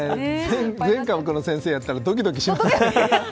全科目の先生でやったらドキドキしちゃう。